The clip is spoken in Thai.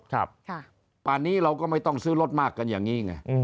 ป่านนี้เราก็ไม่ต้องซื้อรถมากกันอย่างนี้ไง